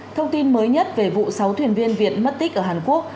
thông tin mới nhất về vụ sáu thuyền viên việt mất tích ở hàn quốc